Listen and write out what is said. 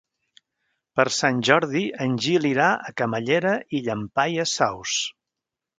Per Sant Jordi en Gil irà a Camallera i Llampaies Saus.